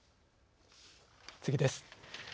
次です。